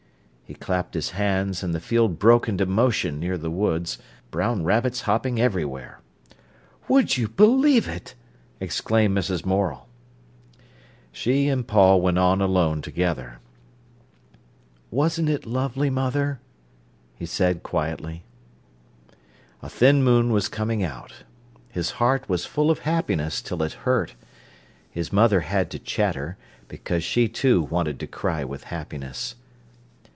He clapped his hands, and the field broke into motion near the woods, brown rabbits hopping everywhere. "Would you believe it!" exclaimed Mrs. Morel. She and Paul went on alone together. "Wasn't it lovely, mother?" he said quietly. A thin moon was coming out. His heart was full of happiness till it hurt. His mother had to chatter, because she, too, wanted to cry with happiness.